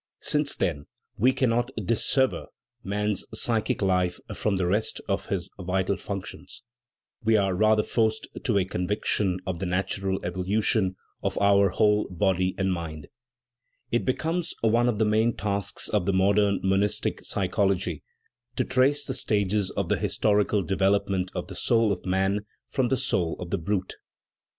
Since, then, we cannot dissever man's psychic life from the rest of his vital functions we are rather forced to a conviction of the natural evolution of our whole body and mind it be comes one of the main tasks of the modern monistic psychology to trace the stages of the historical develop ment of the soul of man from the soul of the brute.